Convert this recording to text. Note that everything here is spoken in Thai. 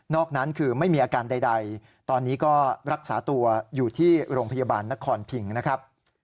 อกนั้นคือไม่มีอาการใดตอนนี้ก็รักษาตัวอยู่ที่โรงพยาบาลนครพิงนะครับ